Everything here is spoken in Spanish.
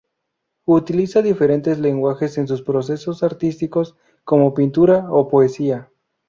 Utiliza diferentes lenguajes en sus procesos artísticos, como pintura o poesía.